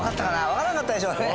わからんかったでしょうね